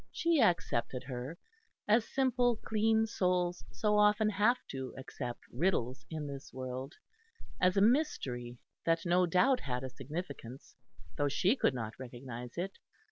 She accepted her, as simple clean souls so often have to accept riddles in this world, as a mystery that no doubt had a significance, though she could not recognise it.